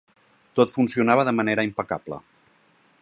Tot funcionava de manera impecable.